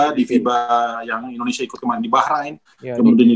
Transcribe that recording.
yang indonesia ikut kemarin di bahrain